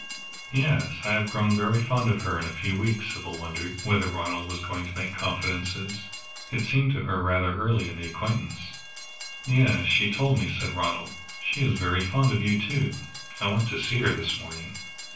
"Yes I have grown very fond of her in a few weeks." Sybil wondered whether Ronald was going to make confidences. It seemed to her rather early in the acquaintance. "Yes, she told me," said Ronald. "She is very fond of you, too; I went to see her this morning."